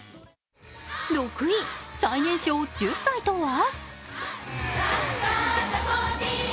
６位、最年少１０歳とは？